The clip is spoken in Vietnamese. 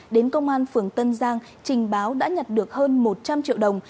đến công an phường tân giang trình báo đã nhặt được hơn một trăm linh triệu đồng